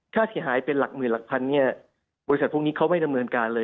ค่าเสียหายเป็นหลักหมื่นหลักพันเนี่ยบริษัทพวกนี้เขาไม่ดำเนินการเลย